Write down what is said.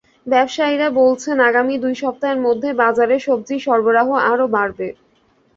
ব্যবসায়ীরা বলছেন, আগামী দুই সপ্তাহের মধ্যে বাজারে সবজির সরবরাহ আরও বাড়বে।